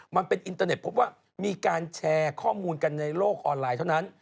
มันเป็นอินเตอร์เน็ตพบว่ามีการแชร์ข้อมูลกันในโลกออนไลน์เท่านั้น